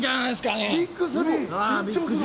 俺、ビッグ３。